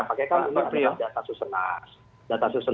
pak ya kan ini ada data susunan